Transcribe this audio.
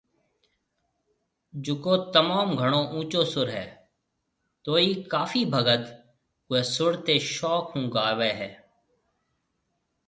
جڪو تموم گھڻو اونچو سُر ھيَََ توئي ڪافي ڀگت اوئي سُر تي شوق ھونگاوي ھيَََ